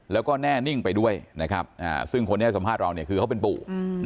แล้วก็แน่นิ่งไปด้วยนะครับซึ่งคนที่ให้สัมภาษณ์เราเนี่ยคือเขาเป็นปู่